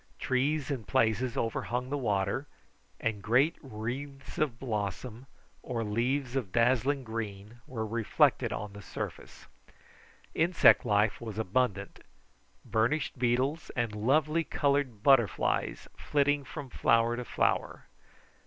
Trees in places overhung the water, and great wreaths of blossom or leaves of dazzling green were reflected on the surface. Insect life was abundant: burnished beetles and lovely coloured butterflies flitting from flower to flower.